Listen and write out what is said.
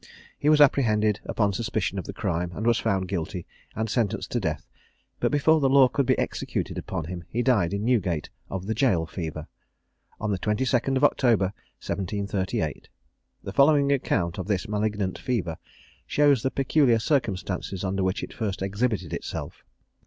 He was apprehended upon suspicion of the crime, and was found guilty, and sentenced to death, but before the law could be executed upon him he died in Newgate, of the jail fever, on the 22d October, 1738. The following account of this malignant fever, shows the peculiar circumstances under which it first exhibited itself.